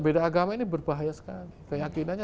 beda agama ini berbahaya sekali keyakinannya